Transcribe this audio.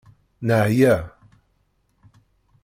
Neɛya.